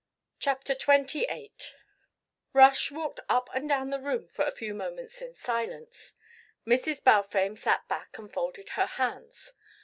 CHAPTER XXVIII Rush walked up and down the room for a few moments in silence. Mrs. Balfame sat back and folded her hands.